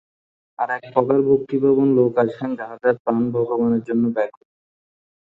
আর এক প্রকার ভক্তিপ্রবণ লোক আছেন, যাঁহাদের প্রাণ ভগবানের জন্য ব্যাকুল।